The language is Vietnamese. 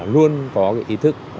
luôn có ý thức